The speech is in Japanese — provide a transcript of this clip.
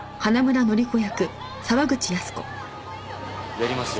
やりますよ